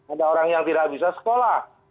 ada orang yang tidak bisa sekolah